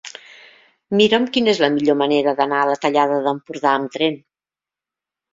Mira'm quina és la millor manera d'anar a la Tallada d'Empordà amb tren.